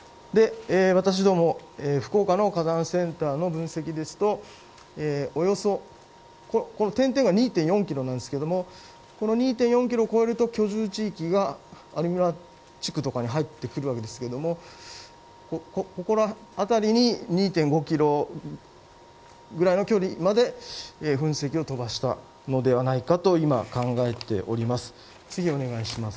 私ども福岡の火山センターの分析ですとこれが２．４ｋｍなんですがこの２．４ｋｍを超えると居住地域が有村地区とかに入ってくるわけですがこのあたり２．５ｋｍぐらいの距離まで噴石を飛ばしたのではないかと今、考えております。